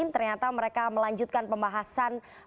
ternyata mereka melanjutkan pembahasan